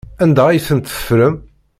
Anda ay tent-teffrem?